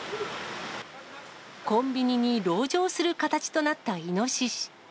コンビニに籠城する形となったイノシシ。